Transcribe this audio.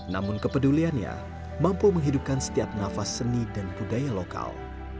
namun kepeduliannya mampu menghidupkan setiap nafas seni dan budaya lokal